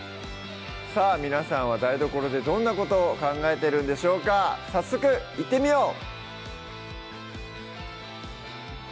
さぁ皆さんは台所でどんなことを考えてるんでしょうか早速いってみよう！